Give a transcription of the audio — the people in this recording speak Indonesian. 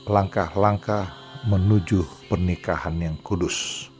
langkah langkah menuju pernikahan yang kudus